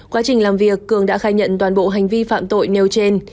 quá trình làm việc cường đã khai nhận toàn bộ hành vi phạm tội nêu trên